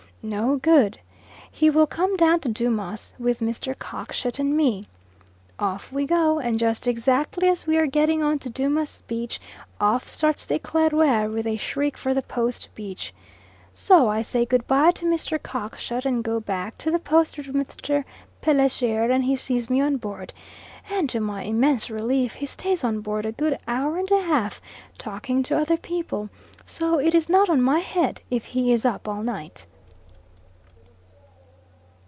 No good! He will come down to Dumas' with Mr. Cockshut and me. Off we go, and just exactly as we are getting on to Dumas' beach, off starts the Eclaireur with a shriek for the Post beach. So I say good bye to Mr. Cockshut, and go back to the Post with Dr. Pelessier, and he sees me on board, and to my immense relief he stays on board a good hour and a half, talking to other people, so it is not on my head if he is up all night.